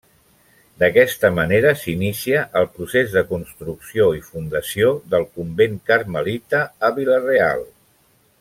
D'aquesta manera s'inicia el procés de construcció i fundació del convent carmelita a Vila-real.